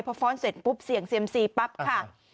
พอฟ้อนเสร็จปุ๊บเสี่ยงเซียมซีปั๊บค่ะ